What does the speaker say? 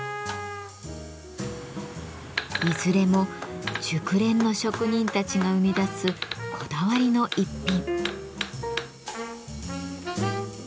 いずれも熟練の職人たちが生み出すこだわりの逸品。